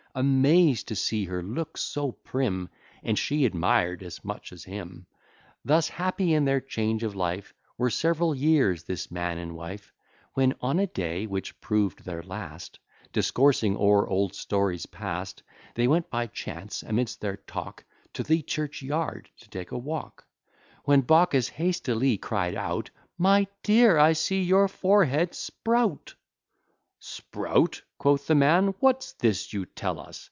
Amaz'd to see her look so prim, And she admir'd as much at him. Thus happy in their change of life, Were several years this man and wife: When on a day, which prov'd their last, Discoursing o'er old stories past, They went by chance, amidst their talk, To the churchyard, to take a walk; When Baucis hastily cry'd out, "My dear, I see your forehead sprout!" "Sprout;" quoth the man; "what's this you tell us?